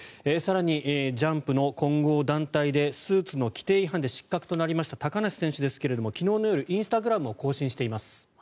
更に、ジャンプの混合団体でスーツの規定違反で失格となりました高梨選手ですが昨日の夜、インスタグラムを更新しています。